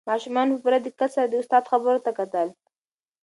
ماشومانو په پوره دقت سره د استاد خبرو ته کتل.